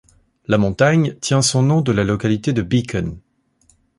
La montagne tient son nom de la localité de Beacon.